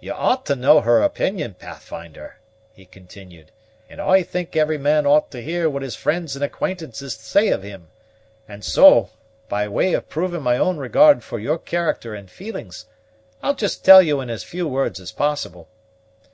"You ought to know her opinion, Pathfinder," he continued; "and I think every man ought to hear what his friends and acquaintances say of him: and so, by way of proving my own regard for your character and feelings, I'll just tell you in as few words as possible.